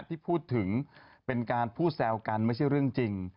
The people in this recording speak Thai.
ที่พูดถึงเป็นการพูดแซวกันไม่ใช่เรื่องจริง